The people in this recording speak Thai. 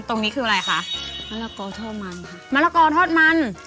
ตรงนี้คืออะไรคะมะละกอทอดมันค่ะมะละกอทอดมัน